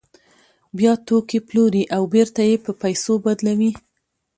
بیا توکي پلوري او بېرته یې په پیسو بدلوي